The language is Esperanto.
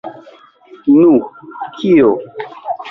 Nu... kio?